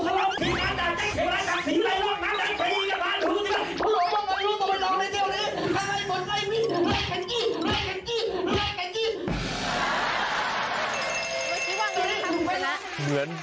โดยที่ว่าโดยที่ทำเป็น